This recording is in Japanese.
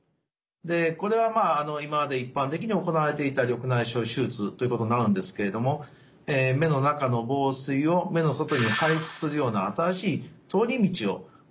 でこれは今まで一般的に行われていた緑内障手術ということになるんですけれども目の中の房水を目の外に排出するような新しい通り道を作る